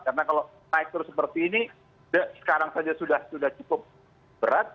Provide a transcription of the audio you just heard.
karena kalau naik terus seperti ini sekarang saja sudah cukup berat